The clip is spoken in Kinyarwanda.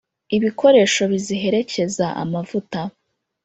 ibikoresho biziherekeza amavuta